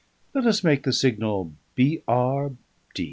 Let us make the signal B. R.